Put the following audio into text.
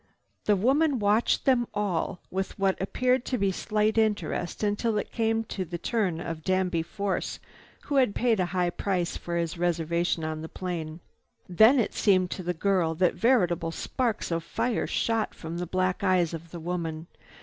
The woman watched them all with what appeared to be slight interest until it came the turn of Danby Force who had paid so high a price for his reservation on this plane. Then it seemed to the girl that veritable sparks of fire shot from the black eyes of the woman.